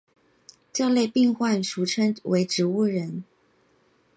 这类病患俗称为植物人。